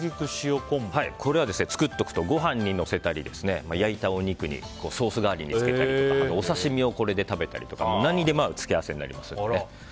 これは作っておくとご飯にのせたり焼いたお肉にソース代わりにつけたりとかお刺し身をこれで食べたりとか何にでも合う付け合わせになりますので。